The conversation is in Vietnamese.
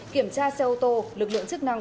kiểm tra xe ô tô lực lượng chức năng